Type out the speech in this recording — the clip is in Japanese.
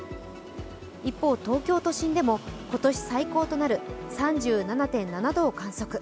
一方、東京都心でも今年最高となる３７．７度を観測。